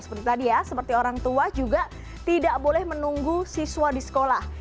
seperti tadi ya seperti orang tua juga tidak boleh menunggu siswa di sekolah